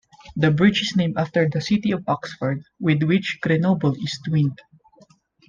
The bridge is named after the city of Oxford, with which Grenoble is twinned.